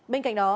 bên cạnh đó